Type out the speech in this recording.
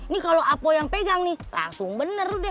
nih kalau apo yang pegang nih langsung bener deh